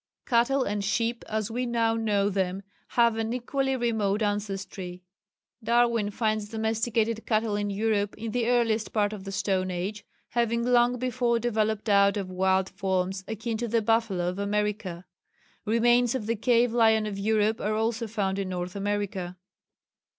Cattle and sheep as we now know them have an equally remote ancestry. Darwin finds domesticated cattle in Europe in the earliest part of the stone age, having long before developed out of wild forms akin to the buffalo of America. Remains of the cave lion of Europe are also found in North America.